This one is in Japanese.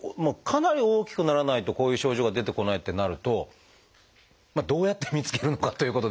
かなり大きくならないとこういう症状が出てこないってなるとどうやって見つけるのかということですが。